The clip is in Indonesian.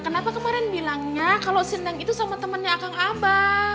kenapa kemarin bilangnya kalau si neng itu sama temannya akang aba